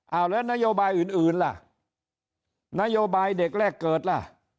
เอาแล้วนโยบายอื่นล่ะนโยบายเด็กแรกเกิดล่ะ